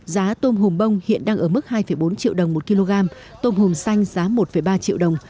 giá tôm hùm bông hiện đang ở mức hai bốn triệu đồng một kg tôm hùm xanh giá một ba triệu đồng